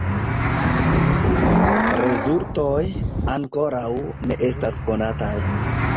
Rezultoj ankoraŭ ne estas konataj.